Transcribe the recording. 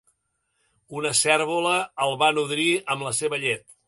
Una cérvola el va nodrir amb la seva llet.